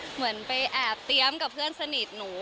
เหมือนไปแอบเตรียมกับเพื่อนสนิทหนู